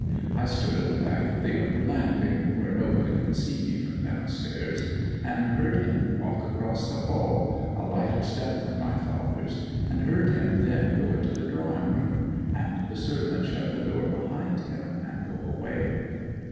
I stood at the back of the upper landing, where nobody could see me from downstairs, and heard him walk across the hall a lighter step than my father's and heard him then go into the drawing room, and the servant shut the door behind him and go away.